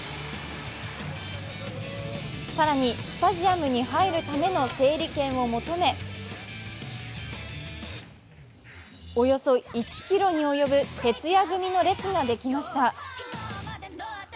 更に、スタジアムに入るための整理券を求め、およそ１ｋｍに及ぶ徹夜組の列ができました。